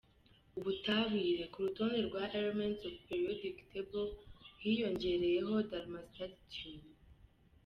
Ubutabire: Ku rutonde rwa Elements of periodic table hiyongereyeho Darmastadtium.